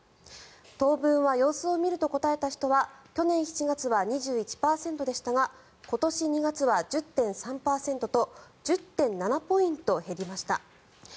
当分は様子を見ると答えた人は去年７月は２１％でしたが今年２月は１０．３％と１０．７ポイント減りました。